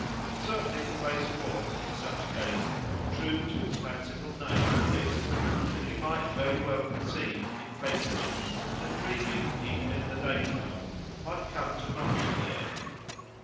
Certainly the place was, in such case, true to its fanciful name in this, that you might very well conceive, in face of it, that dreaming even in the daytime might come to much there.